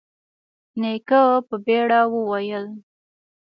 نيکه په بيړه وويل: